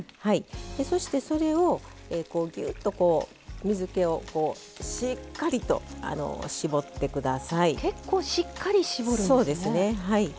そして、それをぎゅっと水けを、しっかりと結構しっかり絞るんですね。